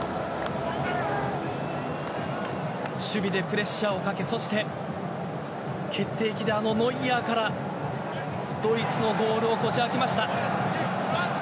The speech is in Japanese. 守備でプレッシャーをかけそして決定機であのノイアーからドイツのゴールをこじあけました。